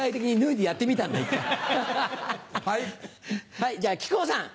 はいじゃあ木久扇さん。